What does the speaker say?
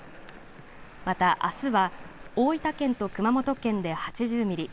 また、あすは大分県と熊本県で８０ミリ。